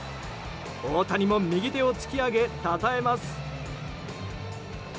大谷も右手を突き上げたたえます。